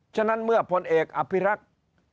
ฉะนั้นเมื่อพลเอกอภิรักษ์